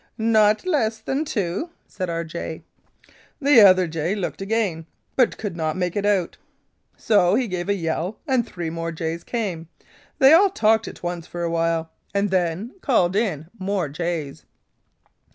'Not less than two,' said our jay. "The other jay looked again, but could not make it out; so he gave a yell and three more jays came. They all talked at once for awhile, and then called in more jays.